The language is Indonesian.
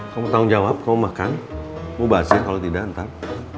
kamu tanggung jawab kau makan mubazir kalau tidak entar